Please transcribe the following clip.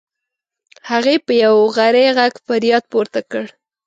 هغې په یو غری غږ فریاد پورته کړ.